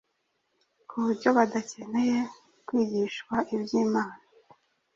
ku buryo badakeneye kwigishwa ibyimana,